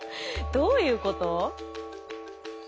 どういうこと？